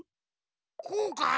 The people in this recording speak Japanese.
こうか？